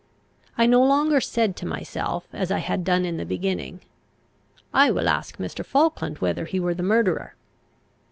I no longer said to myself, as I had done in the beginning, "I will ask Mr. Falkland whether he were the murderer."